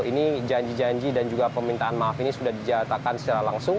ini janji janji dan juga permintaan maaf ini sudah dijatakan secara langsung